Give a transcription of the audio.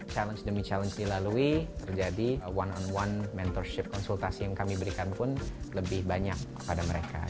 challenge demi challenge dilalui terjadi one on one mentorship konsultasi yang kami berikan pun lebih banyak kepada mereka